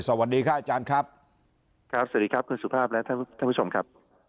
สวัสดีค่ะอาจารย์ครับครับสวัสดีครับคุณสุภาพและท่านผู้ชมครับ